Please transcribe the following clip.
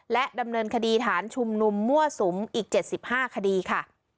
และดำเนินคดีฐานชุมนุมมั่วสุมอีก๗๕คดีค่ะ